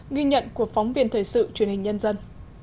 ghi nhận của phóng viên thời sự truyền hình nhân dân